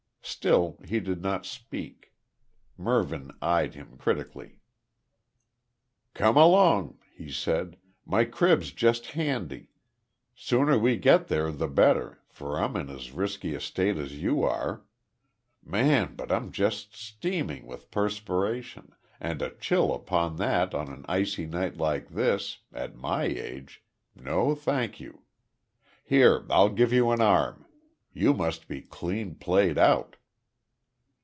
Still he did not speak. Mervyn eyed him critically. "Come along," he said. "My crib's just handy. Sooner we get there the better, for I'm in as risky a state as you are. Man, but I'm just steaming with perspiration, and a chill upon that on an icy night like this at my age no thank you! Here I'll give you an arm. You must be clean played out."